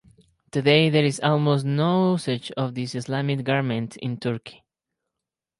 Today there is almost no usage of this Islamic garment in Turkey.